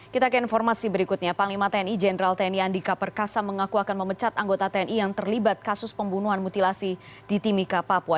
kita ke informasi berikutnya panglima tni jenderal tni andika perkasa mengaku akan memecat anggota tni yang terlibat kasus pembunuhan mutilasi di timika papua